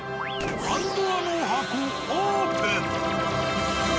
パンドラの箱オープン！